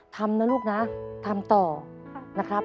ทำนะลูกนะทำต่อนะครับ